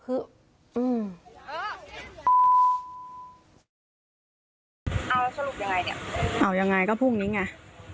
เอาสรุปยังไงเนี่ยเอายังไงก็พรุ่งนี้ไง